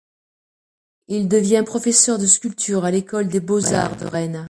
Il devient professeur de sculpture à l'école des beaux-arts de Rennes.